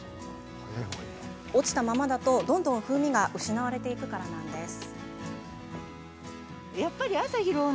落ちたままだと、どんどん風味が失われていくからなんです。